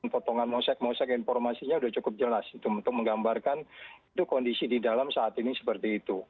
potongan mosek mosek informasinya sudah cukup jelas untuk menggambarkan itu kondisi di dalam saat ini seperti itu